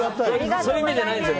そういう意味じゃないですよ